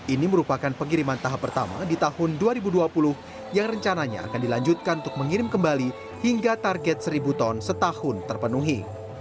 ini merupakan pengiriman tahap pertama di tahun dua ribu dua puluh yang rencananya akan dilanjutkan untuk mengirim kembali hingga target seribu ton setahun terpenuhi